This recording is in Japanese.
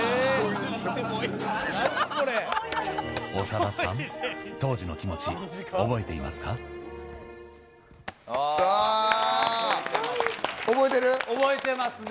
長田さん、当時の気持ち、覚えてますね。